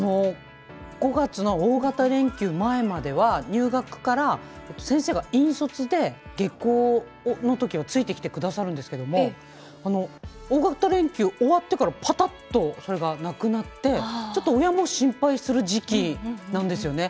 ５月の大型連休前までは入学から先生が引率で下校のときはついてきてくださるんですけども大型連休、終わってからパタッとそれがなくなってちょっと親も心配する時期なんですよね。